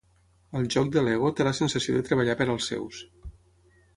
Al joc de L'Ego té la sensació de treballar per als seus.